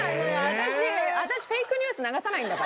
私フェイクニュース流さないんだから。